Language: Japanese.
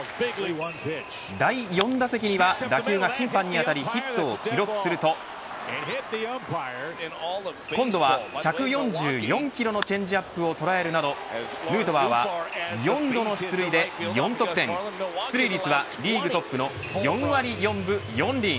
第４打席には打球が審判に当たりヒットを記録すると今度は１４４キロのチェンジアップを捉えるなどヌートバーは４度の出塁で４得点出塁率はリーグトップの４割４分４厘。